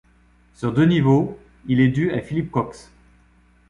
Sur deux niveaux, il est dû à Philip Cox.